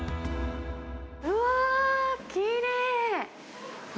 うわー、きれい！